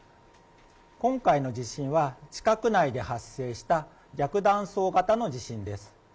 今回の地震は、地殻内で発生した逆断層型の地震です。